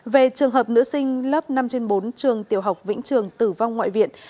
về trường hợp nữ sinh lớp năm trên bốn trường tiểu học vĩnh trường tử vong ngoại viện